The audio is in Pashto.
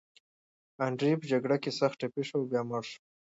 اندرې په جګړه کې سخت ټپي شو او بیا مړ شو.